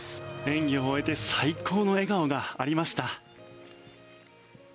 演技を終えて最高の笑顔がありました。